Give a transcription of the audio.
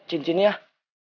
ini jimat batu kecubung